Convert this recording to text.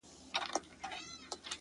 د گل خندا!